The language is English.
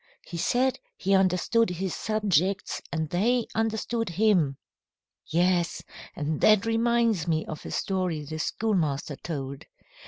"He said he understood his subjects and they understood him." "Yes, and that reminds me of a story the schoolmaster told.